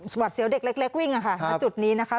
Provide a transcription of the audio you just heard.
หวัดเสียวเด็กเล็กวิ่งมาจุดนี้นะคะ